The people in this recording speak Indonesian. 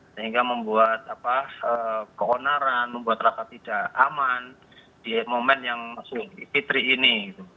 sehingga membuat keonaran membuat rasa tidak aman di momen yang fitri ini